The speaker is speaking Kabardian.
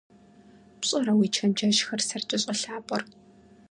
ПщӀэрэ уи чэнджэщхэр сэркӀэ щӀэлъапӀэр?